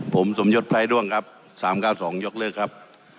ผมสมยศพไร้ด้วงครับ๓๙๒ยกเลิกครับ